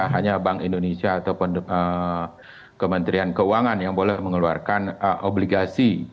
hanya bank indonesia ataupun kementerian keuangan yang boleh mengeluarkan obligasi